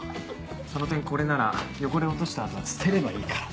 その点これなら汚れ落とした後は捨てればいいから。